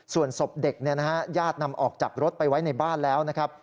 ส่วนศพเด็กญาตินำออกจากรถไปไว้ในบ้านแล้วนะครับ